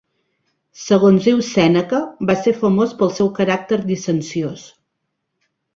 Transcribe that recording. Segons diu Sèneca, va ser famós pel seu caràcter llicenciós.